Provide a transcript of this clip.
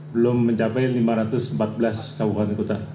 belum mencapai lima ratus empat belas kabupaten kota